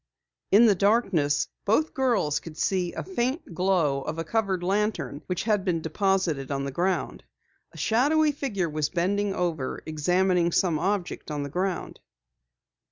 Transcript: In the darkness, both girls could see the faint glow of a covered lantern which had been deposited on the ground. A shadowy figure was bending over, examining some object on the ground.